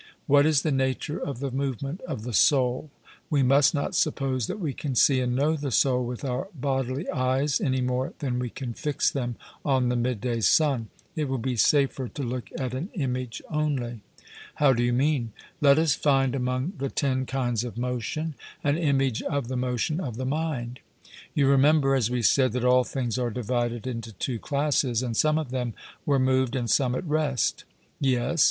What is the nature of the movement of the soul? We must not suppose that we can see and know the soul with our bodily eyes, any more than we can fix them on the midday sun; it will be safer to look at an image only. 'How do you mean?' Let us find among the ten kinds of motion an image of the motion of the mind. You remember, as we said, that all things are divided into two classes; and some of them were moved and some at rest. 'Yes.'